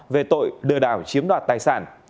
về tội lừa đảo chiếm đoạt tài sản